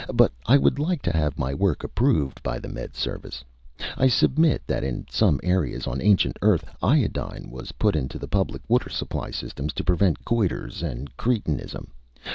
But I would like to have my work approved by the Med Service. I submit that in some areas on ancient Earth, iodine was put into the public water supply systems to prevent goiters and cretinism.